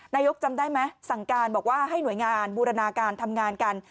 จำได้ไหมสั่งการบอกว่าให้หน่วยงานบูรณาการทำงานกัน